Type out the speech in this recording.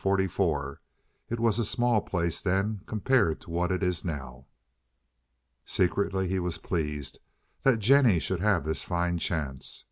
It was a small place then compared to what it is now." Secretly he was pleased that Jennie should have this fine chance.